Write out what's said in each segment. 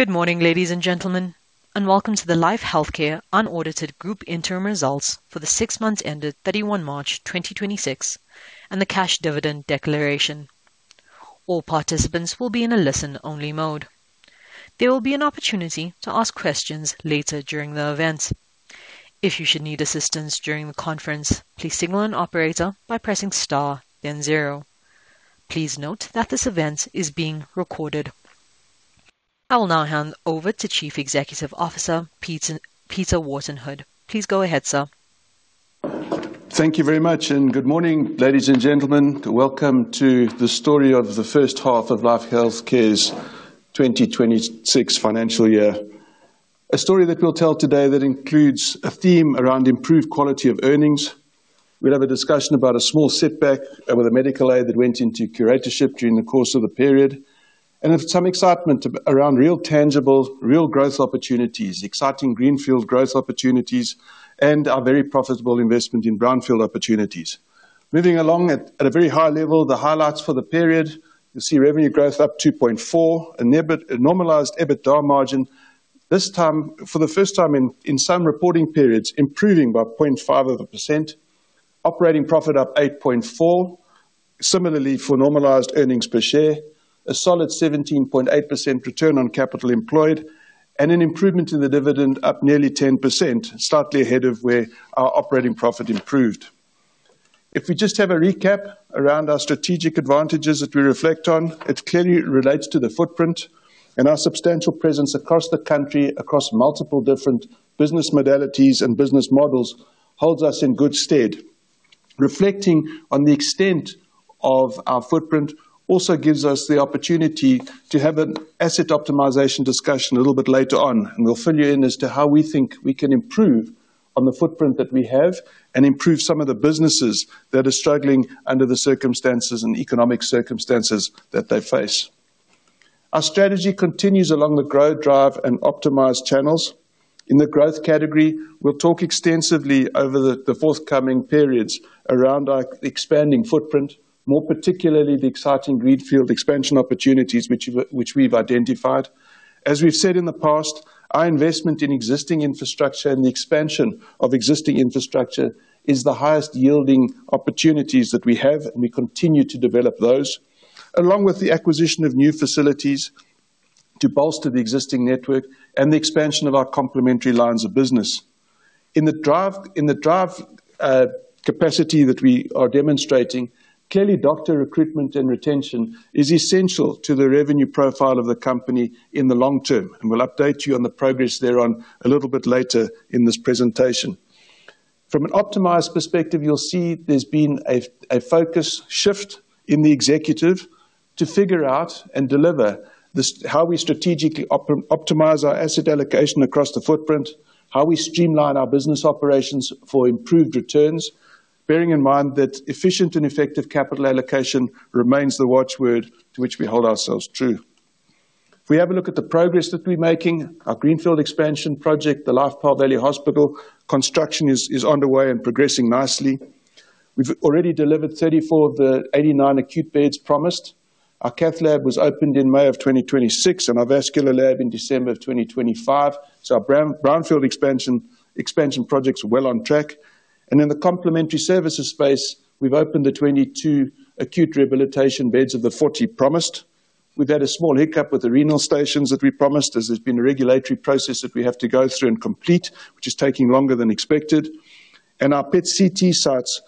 Good morning, ladies and gentlemen, and welcome to the Life Healthcare unaudited group interim results for the six months ended 31 March 2026, and the cash dividend declaration. I will now hand over to Chief Executive Officer, Peter Wharton-Hood. Please go ahead, sir. Thank you very much, good morning, ladies and gentlemen. Welcome to the story of the first half of Life Healthcare's 2026 financial year. A story that we'll tell today that includes a theme around improved quality of revenue. We'll have a discussion about a small setback over the medical aid that went into curatorship during the course of the period. With some excitement around real tangible, real growth opportunities, exciting greenfield growth opportunities, and our very profitable investment in brownfield opportunities. Moving along at a very high level, the highlights for the period, you see revenue growth up 2.4% and normalized EBITDA margin this time, for the first time in some reporting periods, improving by 0.5 of a %. Operating profit up 8.4%. Similarly, for normalized earnings per share, a solid 17.8% return on capital employed, and an improvement in the dividend up nearly 10%, slightly ahead of where our operating profit improved. If we just have a recap around our strategic advantages that we reflect on, it clearly relates to the footprint and our substantial presence across the country, across multiple different business modalities and business models holds us in good stead. Reflecting on the extent of our footprint also gives us the opportunity to have an asset optimization discussion a little bit later on, and we'll fill you in as to how we think we can improve on the footprint that we have and improve some of the businesses that are struggling under the circumstances and economic circumstances that they face. Our strategy continues along the grow, drive, and optimize channels. In the growth category, we'll talk extensively over the forthcoming periods around our expanding footprint, more particularly the exciting greenfield expansion opportunities which we've identified. As we've said in the past, our investment in existing infrastructure and the expansion of existing infrastructure is the highest-yielding opportunities that we have, and we continue to develop those, along with the acquisition of new facilities to bolster the existing network and the expansion of our complementary lines of business. In the drive capacity that we are demonstrating, clearly doctor recruitment and retention is essential to the revenue profile of the company in the long term, and we'll update you on the progress there on a little bit later in this presentation. From an optimized perspective, you'll see there's been a focus shift in the executive to figure out and deliver how we strategically optimize our asset allocation across the footprint, how we streamline our business operations for improved returns, bearing in mind that efficient and effective capital allocation remains the watchword to which we hold ourselves true. If we have a look at the progress that we're making, our greenfield expansion project, the Life Springs Parkland Hospital, construction is underway and progressing nicely. We've already delivered 34 of the 89 acute beds promised. Our cath lab was opened in May of 2026, and our vascular lab in December of 2025. Our brownfield expansion project's well on track. In the complementary services space, we've opened the 22 acute rehabilitation beds of the 40 promised. We've had a small hiccup with the renal stations that we promised, as there's been a regulatory process that we have to go through and complete, which is taking longer than expected. Our PET/CT sites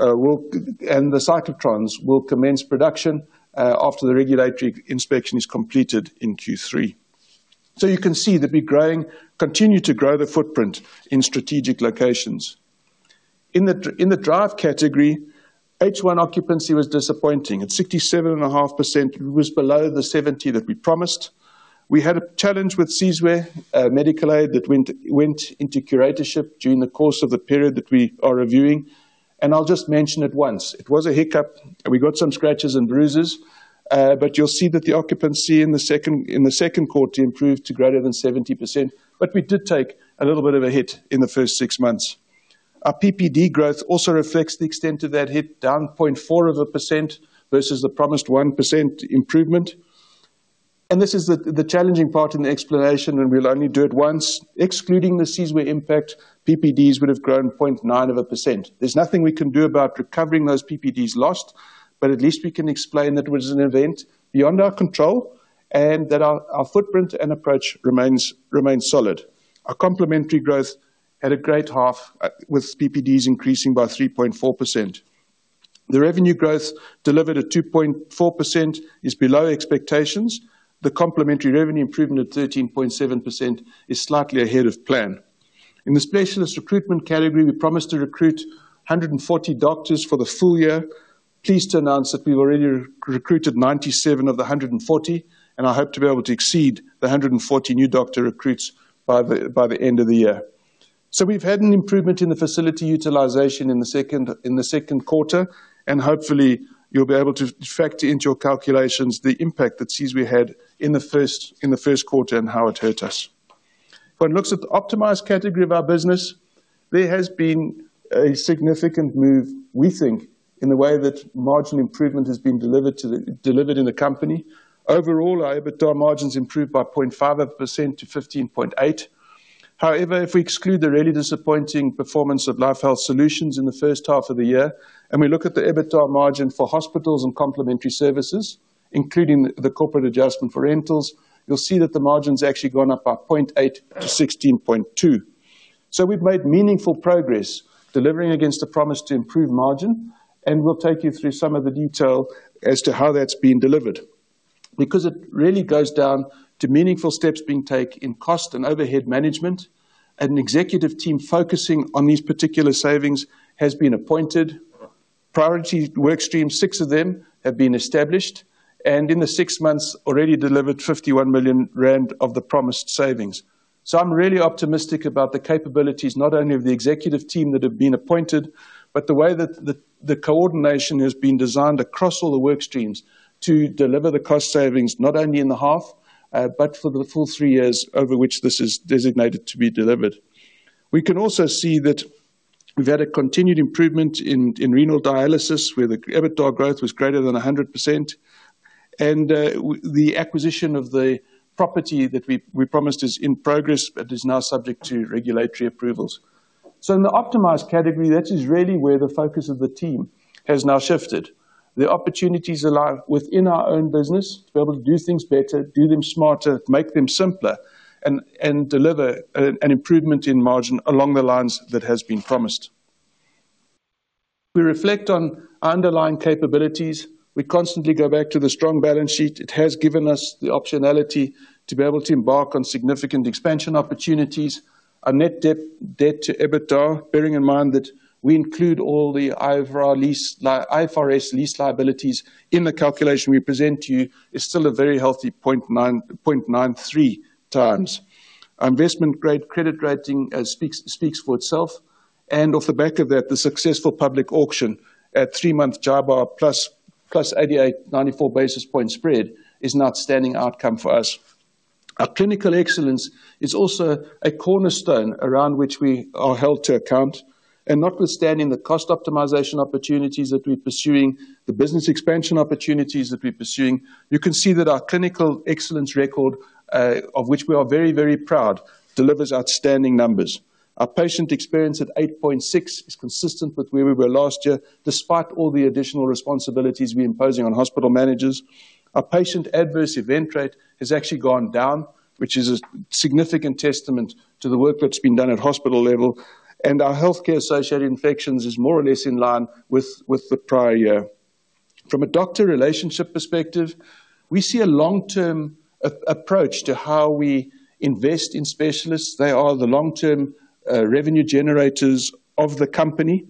and the cyclotrons will commence production after the regulatory inspection is completed in Q3. You can see that we continue to grow the footprint in strategic locations. In the drive category, H1 occupancy was disappointing. At 67.5%, it was below the 70% that we promised. We had a challenge with Sizwe Hosmed Medical Scheme that went into curatorship during the course of the period that we are reviewing. I'll just mention it once. It was a hiccup. We got some scratches and bruises. You'll see that the occupancy in the second quarter improved to greater than 70%. We did take a little bit of a hit in the first six months. Our PPD growth also reflects the extent of that hit, down 0.4% versus the promised 1% improvement. This is the challenging part in the explanation, and we'll only do it once. Excluding the Sizwe impact, PPDs would have grown 0.9%. There's nothing we can do about recovering those PPDs lost, but at least we can explain that it was an event beyond our control and that our footprint and approach remains solid. Our complementary growth had a great half, with PPDs increasing by 3.4%. The revenue growth delivered at 2.4% is below expectations. The complementary revenue improvement at 13.7% is slightly ahead of plan. In the specialist recruitment category, we promised to recruit 140 doctors for the full year. Pleased to announce that we've already recruited 97 of the 140. I hope to be able to exceed the 140 new doctor recruits by the end of the year. We've had an improvement in the facility utilization in the second quarter. Hopefully, you'll be able to factor into your calculations the impact that Sizwe Hosmed had in the first quarter and how it hurt us. When one looks at the optimized category of our business, there has been a significant move, we think, in the way that marginal improvement has been delivered in the company. Overall, our EBITDA margins improved by 0.5% to 15.8%. If we exclude the really disappointing performance of Life Health Solutions in the first half of the year, and we look at the EBITDA margin for hospitals and complementary services, including the corporate adjustment for rentals, you'll see that the margin's actually gone up by 0.8 to 16.2. We've made meaningful progress delivering against the promise to improve margin, and we'll take you through some of the detail as to how that's been delivered. It really goes down to meaningful steps being taken in cost and overhead management. An executive team focusing on these particular savings has been appointed. Priority work stream, six of them have been established, and in the six months already delivered 51 million rand of the promised savings. I'm really optimistic about the capabilities, not only of the executive team that have been appointed, but the way that the coordination has been designed across all the work streams to deliver the cost savings, not only in the H1, but for the full three years over which this is designated to be delivered. We can also see that we've had a continued improvement in renal dialysis, where the EBITDA growth was greater than 100%. The acquisition of the property that we promised is in progress but is now subject to regulatory approvals. In the optimized category, that is really where the focus of the team has now shifted. The opportunities lie within our own business to be able to do things better, do them smarter, make them simpler, and deliver an improvement in margin along the lines that has been promised. If we reflect on underlying capabilities, we constantly go back to the strong balance sheet. It has given us the optionality to be able to embark on significant expansion opportunities. Our net debt to EBITDA, bearing in mind that we include all the IFRS lease liabilities in the calculation we present to you, is still a very healthy 0.93 times. Our investment-grade credit rating speaks for itself. Off the back of that, the successful public auction at three-month JIBAR plus 88, 94 basis point spread is an outstanding outcome for us. Our clinical excellence is also a cornerstone around which we are held to account. Notwithstanding the cost optimization opportunities that we're pursuing, the business expansion opportunities that we're pursuing, you can see that our clinical excellence record, of which we are very proud, delivers outstanding numbers. Our patient experience at 8.6 is consistent with where we were last year, despite all the additional responsibilities we're imposing on hospital managers. Our patient adverse event rate has actually gone down, which is a significant testament to the work that's been done at hospital level. Our healthcare-associated infections is more or less in line with the prior year. From a doctor relationship perspective, we see a long-term approach to how we invest in specialists. They are the long-term revenue generators of the company.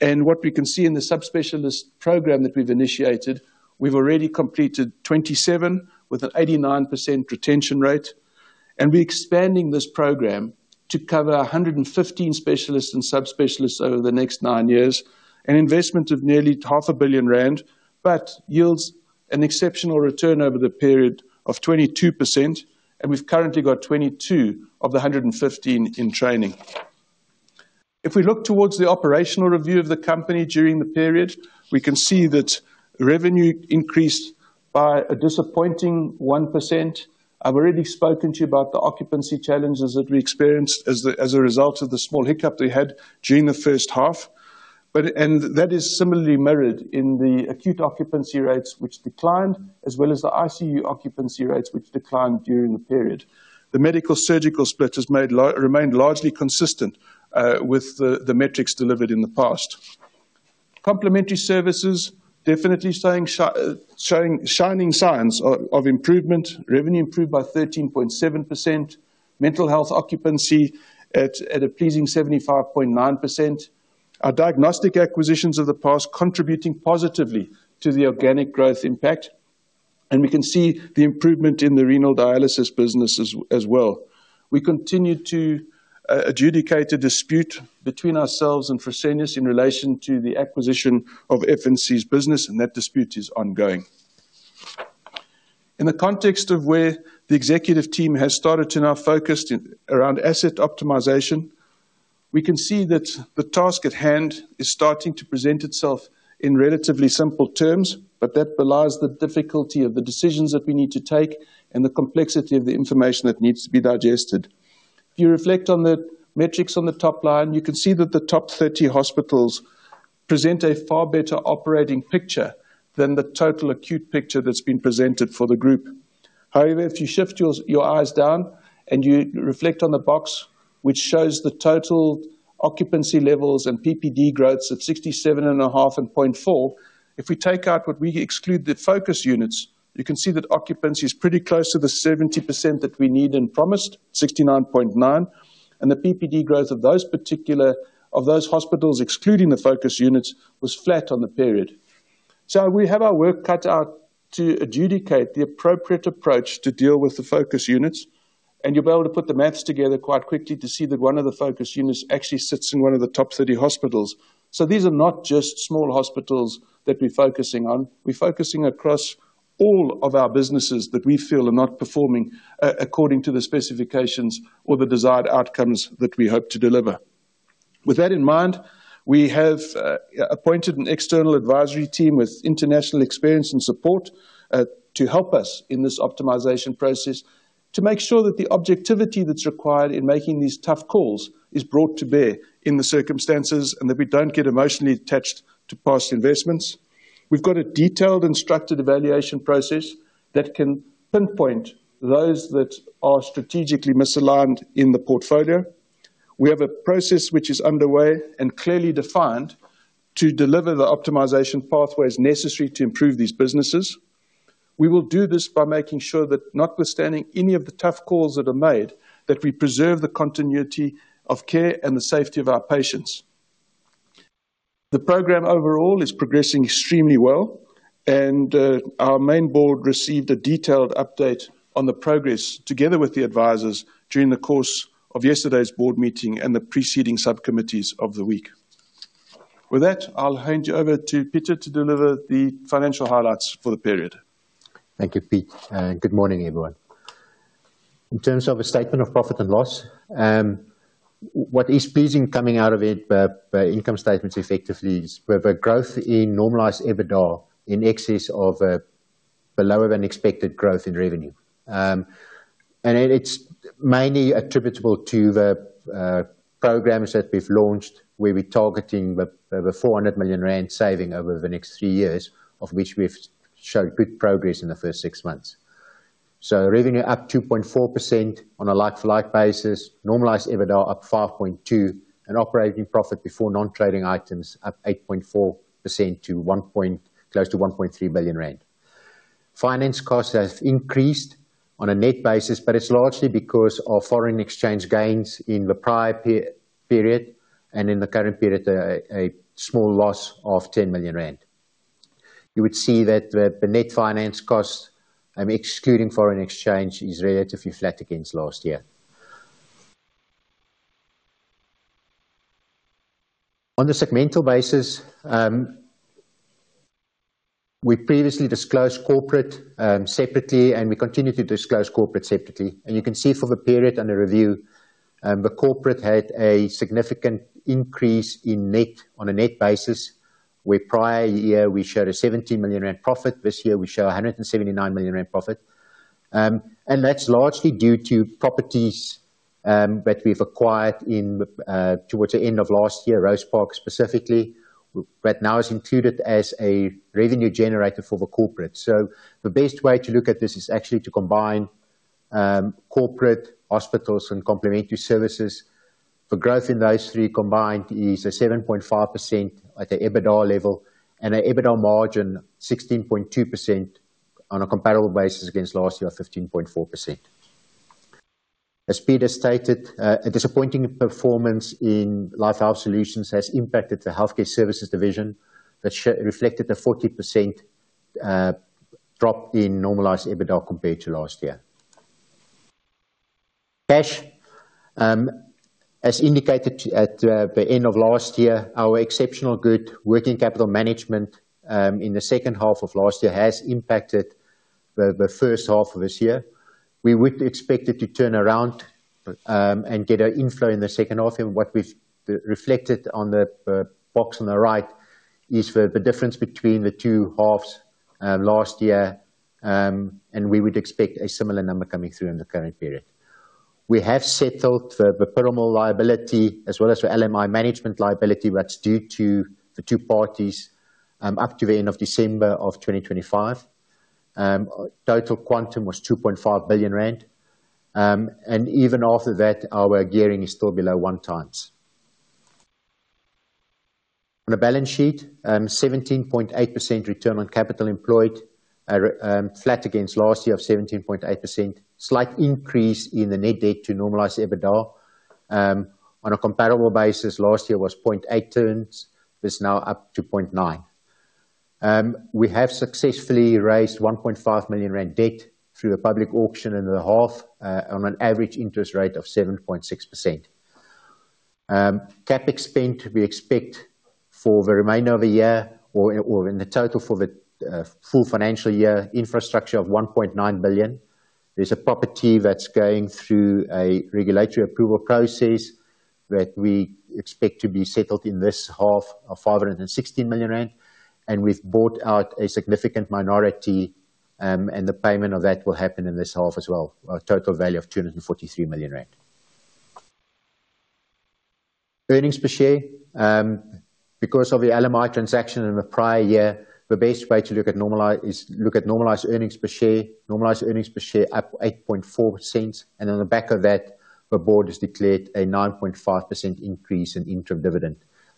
What we can see in the subspecialist program that we've initiated, we've already completed 27 with an 89% retention rate. We're expanding this program to cover 115 specialists and subspecialists over the next nine years. An investment of nearly half a billion ZAR, but yields an exceptional return over the period of 22%, and we've currently got 22 of the 115 in training. If we look towards the operational review of the company during the period, we can see that revenue increased by a disappointing 1%. I've already spoken to you about the occupancy challenges that we experienced as a result of the small hiccup that we had during the first half. That is similarly mirrored in the acute occupancy rates, which declined, as well as the ICU occupancy rates, which declined during the period. The medical surgical split remained largely consistent, with the metrics delivered in the past. Complementary services, definitely shining signs of improvement. Revenue improved by 13.7%. Mental health occupancy at a pleasing 75.9%. Our diagnostic acquisitions of the past contributing positively to the organic growth impact. We can see the improvement in the renal dialysis business as well. We continue to adjudicate a dispute between ourselves and Fresenius in relation to the acquisition of FMC's business. That dispute is ongoing. In the context of where the executive team has started to now focus around asset optimization, we can see that the task at hand is starting to present itself in relatively simple terms, but that belies the difficulty of the decisions that we need to take and the complexity of the information that needs to be digested. If you reflect on the metrics on the top line, you can see that the top 30 hospitals present a far better operating picture than the total acute picture that's been presented for the group. However, if you shift your eyes down and you reflect on the box, which shows the total occupancy levels and PPD growths at 67.5 and 0.4, if we take out what we exclude the focus units, you can see that occupancy is pretty close to the 70% that we need and promised, 69.9. The PPD growth of those hospitals, excluding the focus units, was flat on the period. We have our work cut out to adjudicate the appropriate approach to deal with the focus units. You'll be able to put the math together quite quickly to see that one of the focus units actually sits in one of the top 30 hospitals. These are not just small hospitals that we're focusing on. We're focusing across all of our businesses that we feel are not performing according to the specifications or the desired outcomes that we hope to deliver. With that in mind, we have appointed an external advisory team with international experience and support to help us in this optimization process, to make sure that the objectivity that's required in making these tough calls is brought to bear in the circumstances, and that we don't get emotionally attached to past investments. We've got a detailed and structured evaluation process that can pinpoint those that are strategically misaligned in the portfolio. We have a process which is underway and clearly defined to deliver the optimization pathways necessary to improve these businesses. We will do this by making sure that notwithstanding any of the tough calls that are made, that we preserve the continuity of care and the safety of our patients. The program overall is progressing extremely well. Our main board received a detailed update on the progress together with the advisors during the course of yesterday's board meeting and the preceding subcommittees of the week. With that, I'll hand you over to Pieter to deliver the financial highlights for the period. Thank you, Pete, good morning, everyone. In terms of a statement of profit and loss, what is pleasing coming out of it, the income statements effectively is the growth in normalized EBITDA in excess of the lower-than-expected growth in revenue. It's mainly attributable to the programs that we've launched, where we're targeting the over 400 million rand saving over the next three years, of which we've showed good progress in the first six months. Revenue up 2.4% on a like-for-like basis, normalized EBITDA up 5.2%, operating profit before non-trading items up 8.4% to close to 1.3 billion rand. Finance costs have increased on a net basis, but it's largely because of foreign exchange gains in the prior period, and in the current period, a small loss of 10 million rand. You would see that the net finance cost, excluding foreign exchange, is relatively flat against last year. On a segmental basis, we previously disclosed corporate separately. We continue to disclose corporate separately. You can see for the period under review, the corporate had a significant increase on a net basis, where prior year we showed a 17 million rand profit. This year we show 179 million rand profit. That's largely due to properties that we've acquired towards the end of last year, Life Rosepark Hospital specifically, that now is included as a revenue generator for the corporate. The best way to look at this is actually to combine corporate hospitals and complementary services. The growth in those three combined is a 7.5% at the EBITDA level and an EBITDA margin 16.2% on a comparable basis against last year, 15.4%. As Pete has stated, a disappointing performance in Life Health Solutions has impacted the healthcare services division that reflected a 40% drop in normalized EBITDA compared to last year. Cash, as indicated at the end of last year, our exceptional good working capital management in the second half of last year has impacted the first half of this year. We would expect it to turn around and get an inflow in the second half. What we've reflected on the box on the right is the difference between the two halves last year, and we would expect a similar number coming through in the current period. We have settled the Piramal liability as well as the LMI management liability that's due to the two parties up to the end of December of 2025. Total quantum was 2.5 billion rand. Even after that, our gearing is still below one times. On the balance sheet, 17.8% return on capital employed, flat against last year of 17.8%. Slight increase in the net debt to normalized EBITDA. On a comparable basis, last year was 0.8 turns, it's now up to 0.9. We have successfully raised 1.5 million rand debt through a public auction in the half on an average interest rate of 7.6%. Cap spend, we expect for the remainder of the year or in the total for the full financial year infrastructure of 1.9 billion. There's a property that's going through a regulatory approval process that we expect to be settled in this half of 560 million rand. We've bought out a significant minority, and the payment of that will happen in this half as well. A total value of 243 million rand. Earnings per share. Because of the LMI transaction in the prior year, the best way to look at normalized is look at normalized earnings per share. Normalized earnings per share up 8.4. On the back of that, the board has declared a 9.5% increase in interim dividend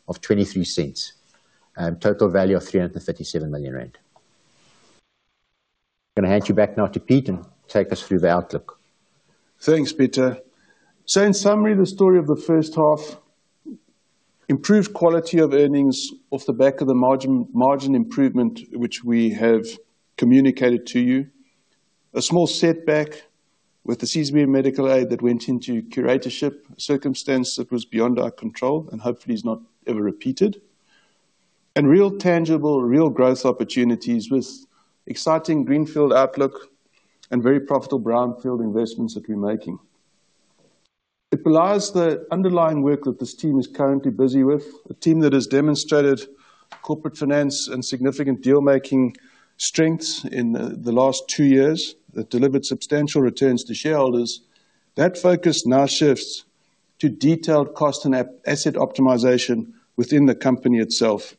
of 0.23. Total value of 337 million rand. I'm going to hand you back now to Pete, take us through the outlook. Thanks, Pieter. In summary, the story of the first half, improved quality of earnings off the back of the margin improvement, which we have communicated to you. A small setback with the Sizwe Hosmed Medical Scheme that went into curatorship. A circumstance that was beyond our control and hopefully is not ever repeated. Real tangible, real growth opportunities with exciting greenfield outlook and very profitable brownfield investments that we're making. It belies the underlying work that this team is currently busy with. A team that has demonstrated corporate finance and significant deal-making strengths in the last two years that delivered substantial returns to shareholders. That focus now shifts to detailed cost and asset optimization within the company itself.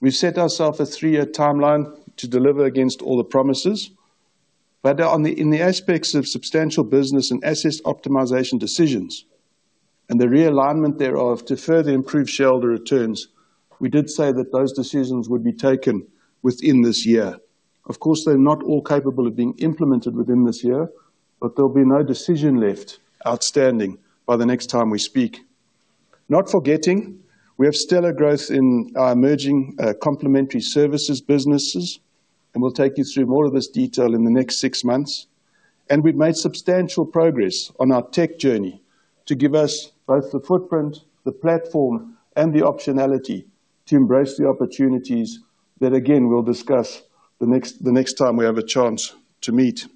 We've set ourself a three-year timeline to deliver against all the promises. In the aspects of substantial business and asset optimization decisions, and the realignment thereof to further improve shareholder returns, we did say that those decisions would be taken within this year. Of course, they're not all capable of being implemented within this year, but there'll be no decision left outstanding by the next time we speak. Not forgetting, we have stellar growth in our emerging complementary services businesses, and we'll take you through more of this detail in the next six months. We've made substantial progress on our tech journey to give us both the footprint, the platform, and the optionality to embrace the opportunities that, again, we'll discuss the next time we have a chance to meet.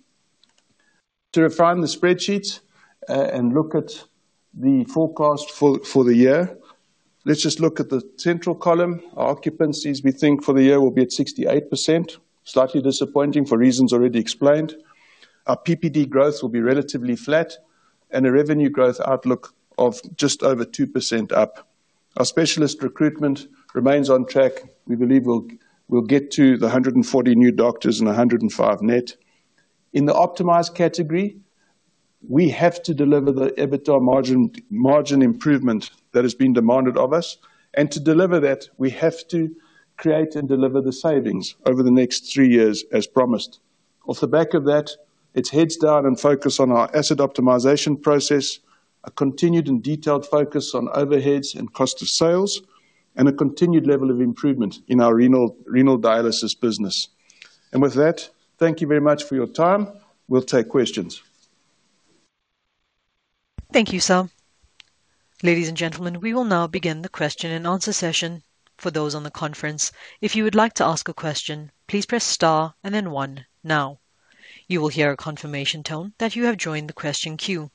To refine the spreadsheets and look at the forecast for the year. Let's just look at the central column. Our occupancies, we think, for the year will be at 68%, slightly disappointing for reasons already explained. Our PPD growth will be relatively flat and a revenue growth outlook of just over 2% up. Our specialist recruitment remains on track. We believe we'll get to the 140 new doctors and 105 net. In the optimized category, we have to deliver the EBITDA margin improvement that has been demanded of us. To deliver that, we have to create and deliver the savings over the next three years as promised. Off the back of that, it's heads down and focused on our asset optimization process, a continued and detailed focus on overheads and cost of sales, and a continued level of improvement in our renal dialysis business. With that, thank you very much for your time. We'll take questions. Thank you, Sir. Ladies and gentlemen, we will now begin the question and answer session. For those on the conference, if you would like to ask a question, please press star and then one now. You will hear a confirmation tone that you have joined the question queue.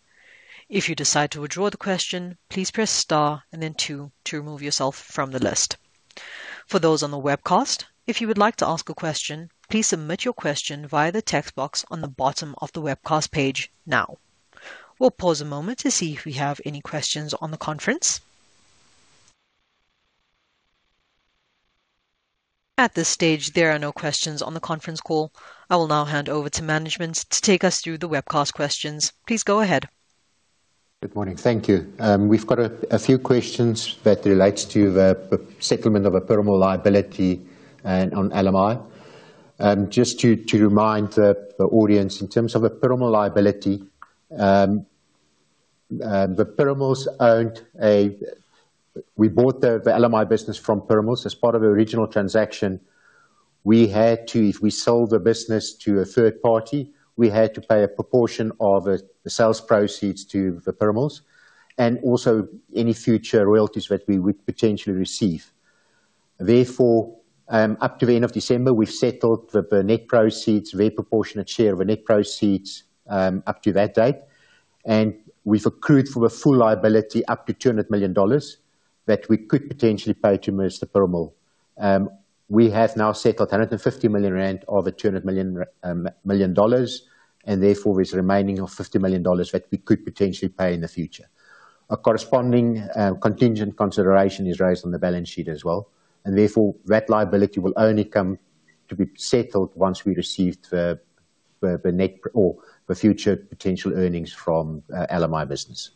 If you decide to withdraw the question, please press star and then two to remove yourself from the list. For those on the webcast, if you would like to ask a question, please submit your question via the text box on the bottom of the webcast page now. We'll pause a moment to see if we have any questions on the conference. At this stage, there are no questions on the conference call. I will now hand over to management to take us through the webcast questions. Please go ahead. Good morning. Thank you. We've got a few questions that relates to the settlement of a Piramal liability and on LMI. Just to remind the audience in terms of a Piramal liability, We bought the LMI business from Piramals. As part of the original transaction, if we sold the business to a third party, we had to pay a proportion of the sales proceeds to the Piramals and also any future royalties that we would potentially receive. Up to the end of December, we've settled the net proceeds, very proportionate share of the net proceeds, up to that date. We've accrued for the full liability up to $200 million that we could potentially pay to Mr. Piramal. We have now settled $150 million of the $200 million, and therefore, there's remaining of $50 million that we could potentially pay in the future. A corresponding contingent consideration is raised on the balance sheet as well, and therefore, that liability will only come to be settled once we've received the net or the future potential earnings from LMI business.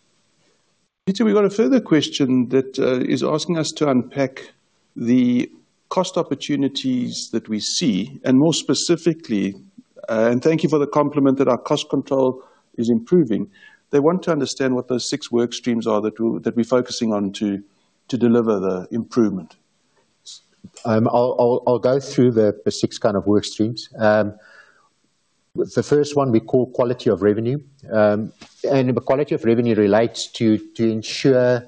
Pieter, we've got a further question that is asking us to unpack the cost opportunities that we see. More specifically, and thank you for the compliment that our cost control is improving. They want to understand what those six work streams are that we're focusing on to deliver the improvement. I'll go through the six work streams. The first one we call quality of revenue. The quality of revenue relates to ensure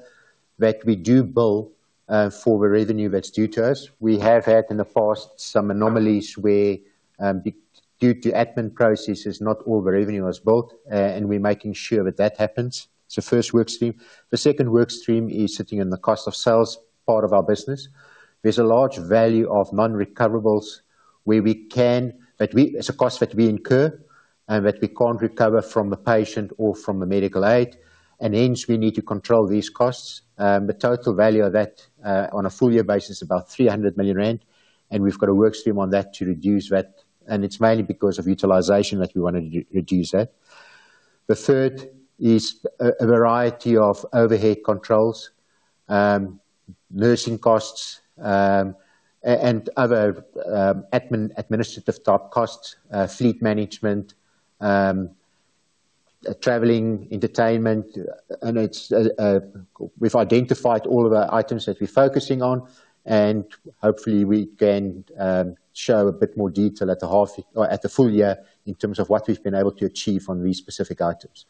that we do bill for the revenue that's due to us. We have had in the past some anomalies where due to admin processes, not all the revenue was billed. We're making sure that that happens. It's the first work stream. The second work stream is sitting in the cost of sales part of our business. There's a large value of non-recoverables where It's a cost that we incur and that we can't recover from the patient or from the medical aid, and hence we need to control these costs. The total value of that on a full year basis is about 300 million rand. We've got a work stream on that to reduce that. It's mainly because of utilization that we want to reduce that. The third is a variety of overhead controls, nursing costs, and other administrative type costs, fleet management, Traveling, entertainment. We've identified all of our items that we're focusing on, and hopefully we can show a bit more detail at the full year in terms of what we've been able to achieve on these specific items.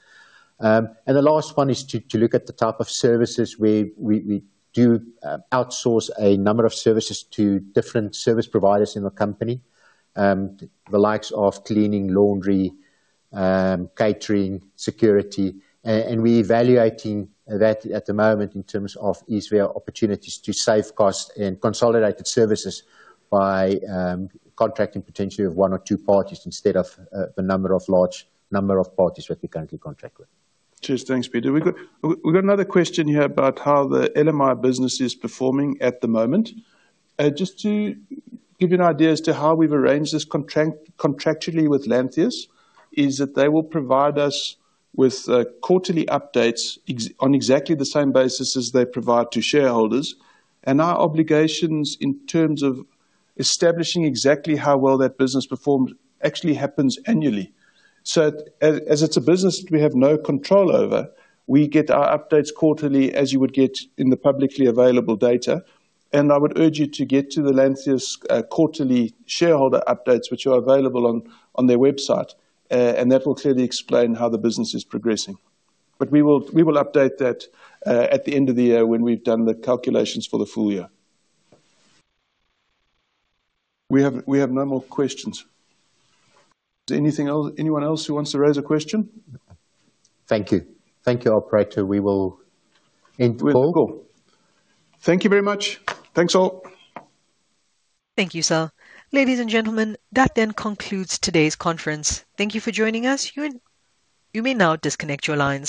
The last one is to look at the type of services. We do outsource a number of services to different service providers in the company, the likes of cleaning, laundry, catering, security. We evaluating that at the moment in terms of is there opportunities to save cost and consolidate services by contracting potentially with one or two parties instead of the number of parties that we currently contract with. Cheers. Thanks, Pieter. We got another question here about how the LMI business is performing at the moment. Just to give you an idea as to how we've arranged this contractually with Lantheus is that they will provide us with quarterly updates on exactly the same basis as they provide to shareholders. Our obligations in terms of establishing exactly how well that business performed actually happens annually. As it's a business that we have no control over, we get our updates quarterly as you would get in the publicly available data. I would urge you to get to the Lantheus quarterly shareholder updates, which are available on their website. That will clearly explain how the business is progressing. We will update that at the end of the year when we've done the calculations for the full year. We have no more questions. Is there anyone else who wants to raise a question? Thank you. Thank you, operator. We will end the call. We'll go. Thank you very much. Thanks all. Thank you, sir. Ladies and gentlemen, that then concludes today's conference. Thank you for joining us. You may now disconnect your lines.